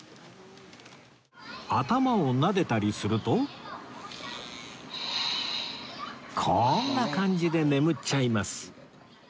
頭をなでたりするとこんな感じで眠っちゃいます